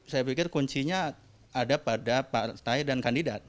saya pikir kuncinya ada pada partai dan kandidat